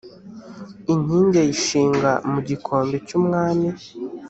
inkingi ayishinga mu gikombe cy umwami